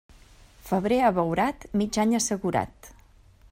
Febrer abeurat, mig any assegurat.